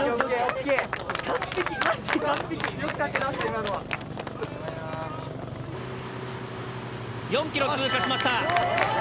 今のは・４ｋｍ通過しました。